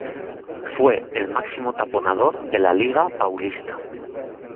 Fue el máximo taponador de la "Liga Paulista".